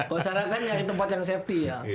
kalau sana kan nyari tempat yang safety ya